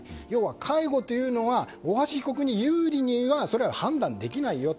介護というのは大橋被告に有利には判断できないよと。